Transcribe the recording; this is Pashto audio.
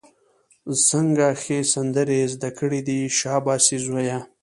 څنګه ښې سندرې یې زده کړې دي، شابسي زویه!